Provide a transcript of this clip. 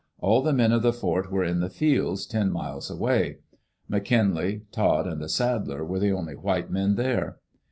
All the men of the fort were in the fields, ten miles away. McKinlay, Todd, and the saddler were the only white men there.